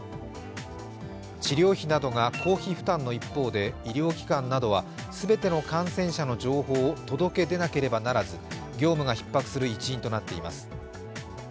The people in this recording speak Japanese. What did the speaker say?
治療費などが公費負担の一方で、医療機関などは全ての感染者の情報を届け出なくてはならず業務がひっ迫する一因となっています。